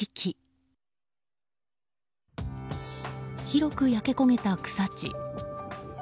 広く焼け焦げた草地。